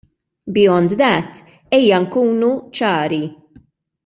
Beyond that, ejja nkunu ċari.